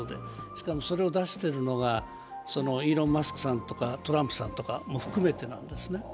しかも、それを出してるのが、イーロン・マスクさんとかトランプさんも含めてなんですね。